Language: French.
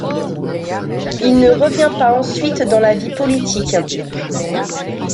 Il ne revient pas ensuite dans la vie politique.